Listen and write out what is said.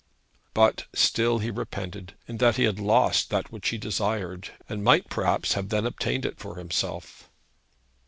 But still he repented, in that he had lost that which he desired, and might perhaps have then obtained it for himself.